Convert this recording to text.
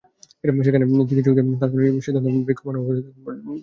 সেখানেই চিকিৎসকদের তাৎক্ষণিক সিদ্ধান্তে বৃক্ষমানব আবুল বাজনদারের পাঁচটি আঙুল জটমুক্ত হলো।